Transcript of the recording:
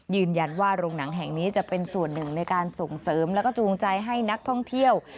ยืนยันว่าโรงหนังแห่งนี้จะเป็นส่วนหนึ่งในการส่งเสริมแล้วก็จูงใจให้นักท่องเที่ยว